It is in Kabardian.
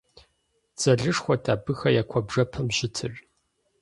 Дзэлышхуэт абыхэ я куэбжэпэм щытыр.